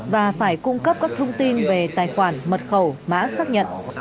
và phải cung cấp các thông tin về tài khoản mật khẩu mã xác nhận